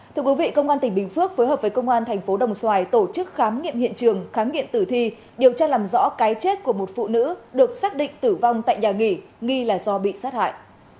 thưa quý vị công an tỉnh bình phước phối hợp với công an thành phố đồng xoài tổ chức khám nghiệm hiện trường khám nghiệm tử thi điều tra làm rõ cái chết của một phụ nữ được xác định tử vong tại nhà nghỉ nghi là do bị sát hại